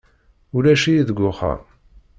Ulac-iyi deg uxxam.